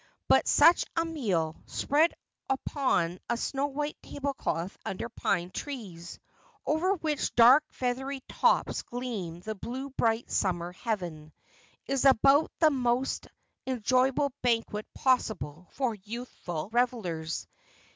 But such a meal, spread upon a snow white tablecloth under pine trees, over whose dark feathery tops gleam the blue bright summer heaven, is about the most enjoyable banquet possible for youthful revellers.